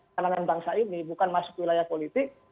kalangan bangsa ini bukan masuk wilayah politik